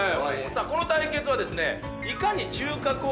この対決はですね。